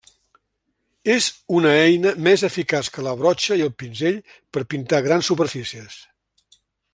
És una eina més eficaç que la brotxa i el pinzell per pintar grans superfícies.